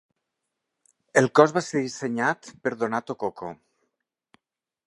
El cos va ser dissenyat per Donato Coco.